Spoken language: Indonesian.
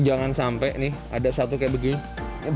jangan sampai nih ada satu kayak begini